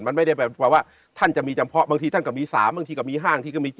มันไม่ได้แปลว่าท่านจะมีจำเพาะบางทีท่านก็มี๓บางทีก็มี๕ทีก็มี๗